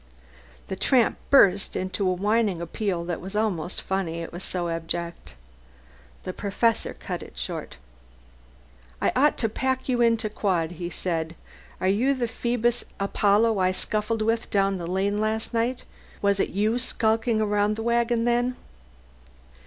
The tramp burst into a whining appeal that was almost funny, it was so abject. The Professor cut it short. "I ought to pack you into quod," he said. "Are you the Phoebus Apollo I scuffled with down the lane last night? Was it you skulking around this wagon then?"